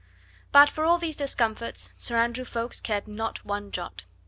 But for all these discomforts Sir Andrew Ffoulkes cared not one jot.